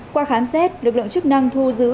qua khám xét lực lượng chức năng thu giữ